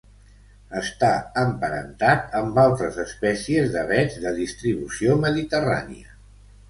Està emparentat amb altres espècies d'avets de distribució mediterrània.